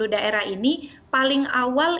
daerah ini paling awal